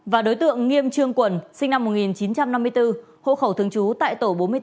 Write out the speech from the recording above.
và đối tượng nghiêm trương quần sinh năm một nghìn chín trăm năm mươi bốn hộ khẩu thường trú tại tổ bốn mươi bốn